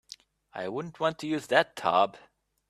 I wouldn't want to use that tub.